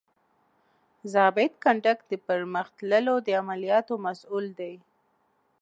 ضابط کنډک د پرمخ تللو د عملیاتو مسؤول دی.